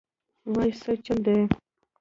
وايه سه چل دې.